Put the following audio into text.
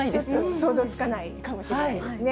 想像つかないかもしれないですね。